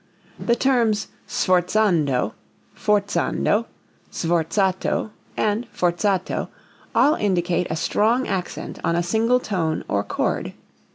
The terms sforzando, forzando, sforzato and forzato all indicate a strong accent on a single tone or chord.